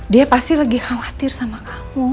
dia pasti lagi khawatir sama kamu